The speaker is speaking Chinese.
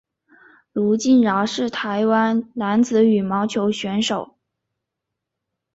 卢敬尧是台湾男子羽毛球选手。